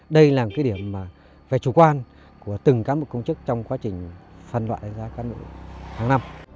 đây là cái điểm về chủ quan của từng cán bộ công chức trong quá trình phân loại đánh giá cán bộ hàng năm